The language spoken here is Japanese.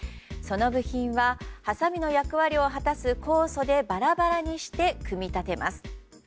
その部品は、はさみの役割を果たす酵素でバラバラにして組み立てます。